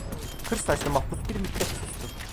Kır saçlı mahpus bir müddet sustu.